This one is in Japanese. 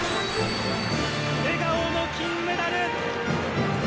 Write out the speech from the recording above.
笑顔の金メダル！